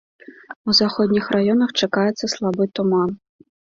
У заходніх раёнах чакаецца слабы туман.